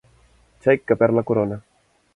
Xeic que perd la corona.